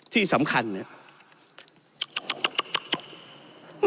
ที่สำคัญเนี่ย